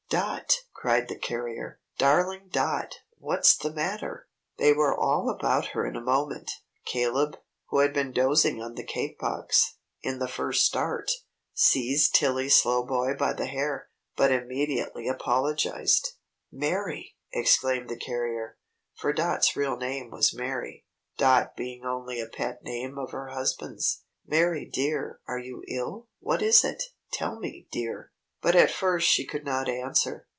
"Dot!" cried the carrier, "Darling Dot! What's the matter?" They were all about her in a moment. Caleb, who had been dozing on the cake box, in the first start, seized Tilly Slowboy by the hair, but immediately apologized. "Mary!" exclaimed the carrier, for Dot's real name was Mary, Dot being only a pet name of her husband's. "Mary dear, are you ill? What is it? Tell me, dear." But at first she could not answer.